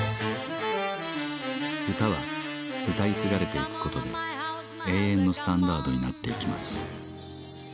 歌は歌い継がれていくことで永遠のスタンダードになっていきます